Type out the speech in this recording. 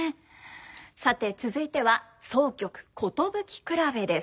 さて続いては箏曲「寿くらべ」です。